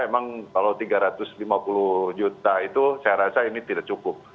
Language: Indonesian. memang kalau tiga ratus lima puluh juta itu saya rasa ini tidak cukup